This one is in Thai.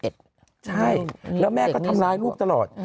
ใช่แล้วแม่ก็ทำร้ายลูกตลอด